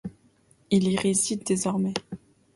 Il y réside désormais.